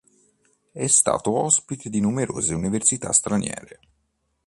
È stato ospite di numerose università straniere.